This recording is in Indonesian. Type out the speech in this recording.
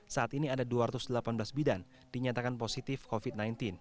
saat ini ada dua ratus delapan belas bidan dinyatakan positif covid sembilan belas